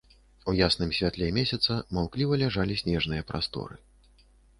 У ясным святле месяца маўкліва ляжалі снежныя прасторы.